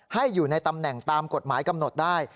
อยู่ในตำแหน่งตามกฎหมายกำหนดได้